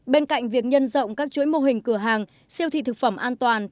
bên cạnh việc nhân rộng các chuỗi mô hình cửa hàng siêu thị thực phẩm an toàn